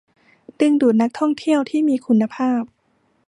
ดึงดูดนักท่องเที่ยวที่มีคุณภาพ